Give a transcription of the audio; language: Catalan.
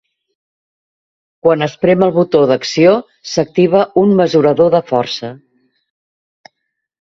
Quan es prem el botó d'acció, s'activa un mesurador de força.